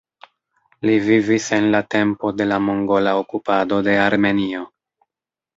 Li vivis en la tempo de la mongola okupado de Armenio.